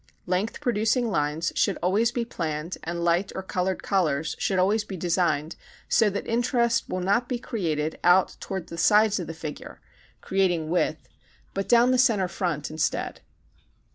Length producing lines should always be planned and light or colored collars should always be designed so that interest will not be created out towards the sides of the figure, creating width, but down the center front instead.